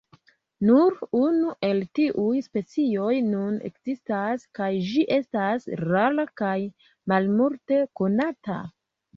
Nur unu el tiuj specioj nun ekzistas, kaj ĝi estas rara kaj malmulte konata.